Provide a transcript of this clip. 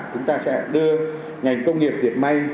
chúng ta sẽ đưa ngành công nghiệp diệt may